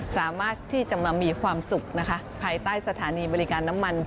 สามารถที่จะมามีความสุขนะคะภายใต้สถานีบริการน้ำมัน